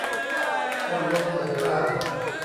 คนล้มอย่าข้าม